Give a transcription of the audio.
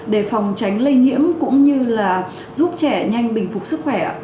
để phòng tránh lây nhiễm cũng như là giúp trẻ nhanh bình phục sức khỏe